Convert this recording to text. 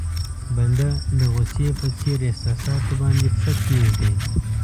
بنده د غوسې په څېر احساساتو باندې پښه کېږدي.